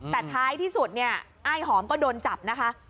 แต่ท้ายที่สุดเนี่ยอ้ายหอมก็โดนจับนะคะ